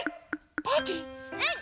うん。